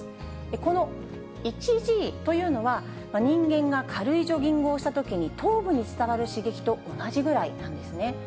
この１Ｇというのは、人間が軽いジョギングをしたときに頭部に伝わる刺激と同じぐらいなんですね。